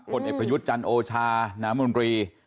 คนเอ็ดประยุทธ์จันทร์โอชาน้ำมนตรี